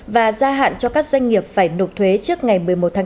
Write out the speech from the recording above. và gia hạn cho các doanh nghiệp phải nộp thuế trước ngày một mươi một tám